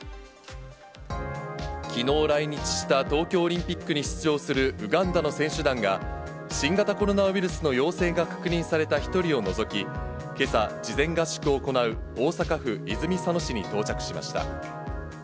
きのう来日した東京オリンピックに出場するウガンダの選手団が、新型コロナウイルスの陽性が確認された１人を除き、けさ、事前合宿を行う大阪府泉佐野市に到着しました。